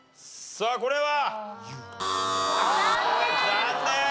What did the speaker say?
さあこれは？